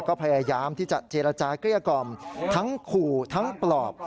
ก็พยายามที่จะเจรจาเกลี้ยกล่อมทั้งขู่ทั้งปลอบ